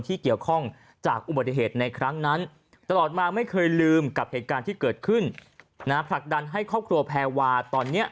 ที่เกิดขึ้นนะฮะผลักดันให้ครอบครัวแพรวาตอนเนี้ย